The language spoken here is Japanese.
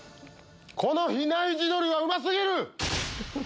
この比内地鶏はうま過ぎる！